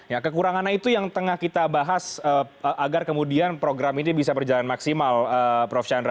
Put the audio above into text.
ya kekurangannya itu yang tengah kita bahas agar kemudian program ini bisa berjalan maksimal prof chandra